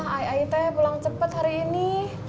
ayah ayah itu pulang cepet hari ini